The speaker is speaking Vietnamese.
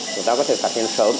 chúng ta có thể phát hiện sớm